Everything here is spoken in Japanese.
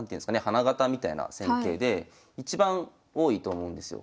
花形みたいな戦型で一番多いと思うんですよ。